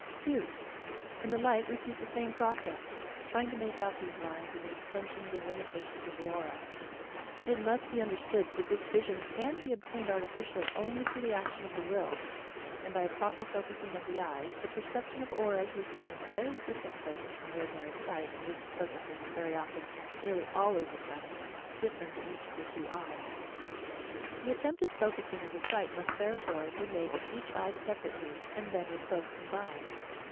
2. In the light repeat the same process, trying to make out these lines and the extensions and limitations of the aura. It must be understood that this vision can be obtained artificially only through the action of the will, and by a proper focusing of the eyes, — ^the perception of auras requiring a ver>* different focus from ordinary sight, and this focusing is very often. — nearly always in fact ^■different in each of the two eyes. The attempted focusing of the sight must, therefore, be made with each eye separately and then with both combined.